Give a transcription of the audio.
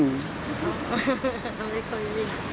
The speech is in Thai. ไม่ค่อยวิ่ง